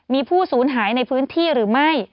มีผู้สูญหายในพื้นที่หรือไม่